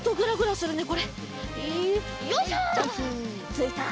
ついた！